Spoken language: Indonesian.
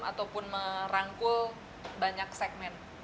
ataupun merangkul banyak segmen